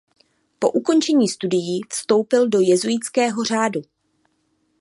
Po ukončení studií vstoupil do jezuitského řádu.